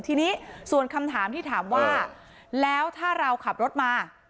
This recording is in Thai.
ทีนี้ส่วนคำถามที่ถามว่าแล้วถ้าเราขับรถมา